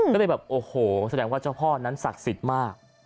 ก็เลยแบบโอ้โหแสดงว่าเจ้าพ่อนั้นศักดิ์สิทธิ์มาก